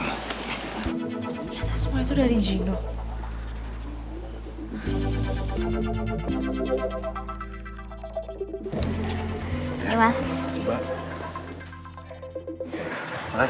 dia gak bisa kirimin langsung ke kamu